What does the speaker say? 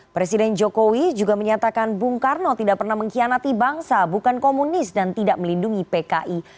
presiden jokowi juga menyatakan bung karno tidak pernah mengkhianati bangsa bukan komunis dan tidak melindungi pki